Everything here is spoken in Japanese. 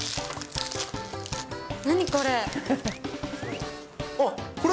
何これ？